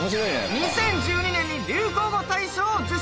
２０１２年に流行語大賞を受賞。